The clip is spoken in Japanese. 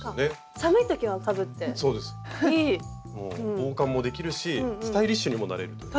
防寒もできるしスタイリッシュにもなれるという。